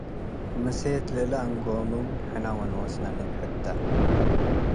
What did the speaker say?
ምሴት ለእለ እንጎምም - ሕነ ወኖስነ ንትበሐተ